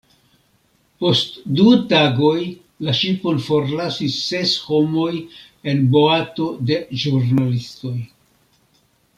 Post du tagoj la ŝipon forlasis ses homoj en boato de ĵurnalistoj.